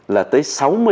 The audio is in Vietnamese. là tới sáu mươi